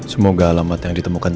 semoga alamat yang ditemukan